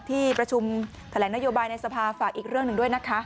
ที่ประชุมแถลงนโยบายในสภาฝากอีกเรื่องหนึ่งด้วยนะคะ